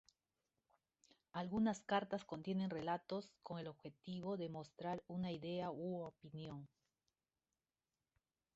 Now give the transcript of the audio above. Algunas cartas contienen relatos con el objetivo de mostrar una idea u opinión.